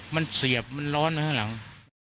มันเสียบมันร้อนมาข้างหลัง